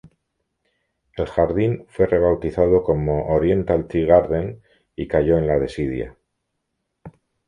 El jardín fue rebautizado como "Oriental Tea Garden" y cayó en la desidia.